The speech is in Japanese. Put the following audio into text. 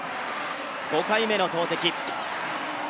５回目の投てき。